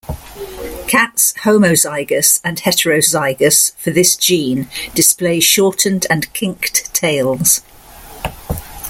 Cats homozygous and heterozygous for this gene display shortened and kinked tails.